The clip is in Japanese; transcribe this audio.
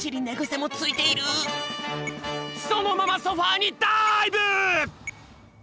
そのままソファーにダイブ！